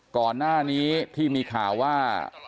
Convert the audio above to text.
ก่อนหน้านี้ที่มีข่าวว่า